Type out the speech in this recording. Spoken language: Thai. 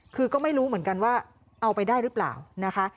คือก็ไม่รู้เหมือนกันว่าเอาไปได้หรือเปล่านะคะ